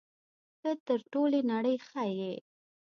ته تر ټولې نړۍ ښه یې.